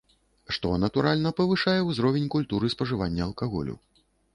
Што, натуральна, павышае ўзровень культуры спажывання алкаголю.